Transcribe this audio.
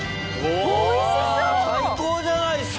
最高じゃないっすか！